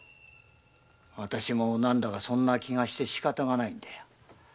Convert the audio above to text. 私も何だかそんな気がしてしかたがないんだよ。